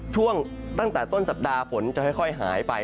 ช่วงตั้งแต่ต้นสัปดาห์ฝนจะค่อยหายไป